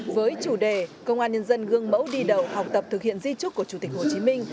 với chủ đề công an nhân dân gương mẫu đi đầu học tập thực hiện di trúc của chủ tịch hồ chí minh